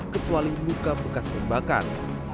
kecuali luka bekas tembakan